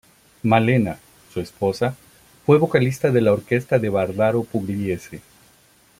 Malena, su esposa, fue vocalista de la orquesta de Vardaro-Pugliese.